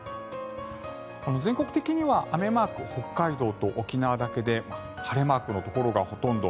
全国的には雨マーク北海道と沖縄だけで晴れマークのところがほとんど。